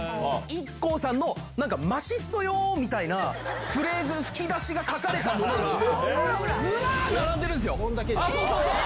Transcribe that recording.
ＩＫＫＯさんのマシソヨーみたいなフレーズ、吹き出しが書かれたものがずらーっと並んでるんですよ。